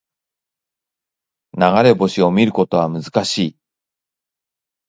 流れ星を見ることは難しい